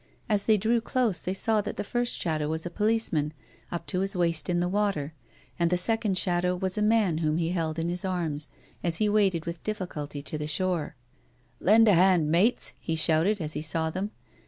As they drew close they saw that the first shadow was a policeman, up to his waist in the water, and the second shadow was a man whom he held in his arms, as he waded with diflficulty to the shore. " Lend a hand, mates," he shouted as he saw them.